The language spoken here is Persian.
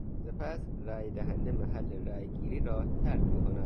سپس رای دهنده محل رای گیری را ترک میکند.